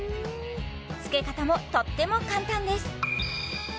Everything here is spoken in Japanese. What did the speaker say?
つけ方もとっても簡単です